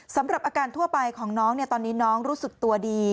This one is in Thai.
สำหรับอาการทั่วไปของน้องตอนนี้น้องรู้สึกตัวดี